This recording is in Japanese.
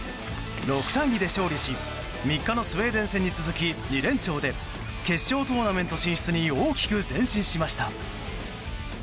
６対２で勝利し３日のスウェーデン戦に続き２連勝で決勝トーナメント進出に大きく前進しました。